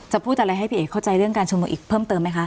พูดอะไรให้พี่เอกเข้าใจเรื่องการชุมนุมอีกเพิ่มเติมไหมคะ